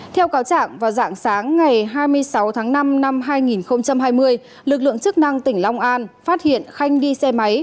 theo cáo trạng vào dạng sáng ngày hai mươi sáu tháng năm năm hai nghìn hai mươi lực lượng chức năng tỉnh long an phát hiện khanh đi xe máy